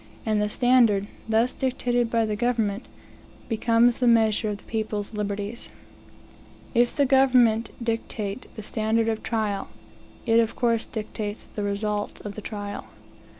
And the standard, thus dictated by the government, becomes the measure of the people's liberties. If the government dictate the standard of trial, it of course dictates the results of the trial.